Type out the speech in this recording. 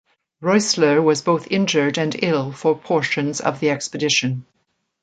Roessler was both injured and ill for portions of the expedition.